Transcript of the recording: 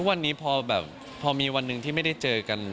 วันนี้พอแบบพอมีวันหนึ่งที่ไม่ได้เจอกัน